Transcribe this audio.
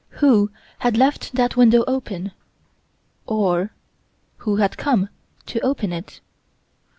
Who had left that window open? Or, who had come to open it?